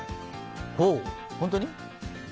ほう、本当に？